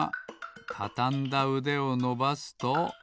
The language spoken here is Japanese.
たたんだうでをのばすと。